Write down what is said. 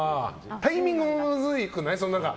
タイミング、ムズくない？